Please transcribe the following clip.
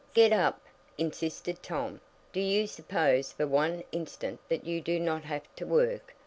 "Get up!" insisted Tom. "Do you suppose for one instant that you do not have to work?